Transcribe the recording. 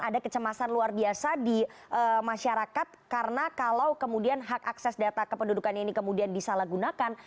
ada kecemasan luar biasa di masyarakat karena kalau kemudian hak akses data kependudukan ini kemudian disalahgunakan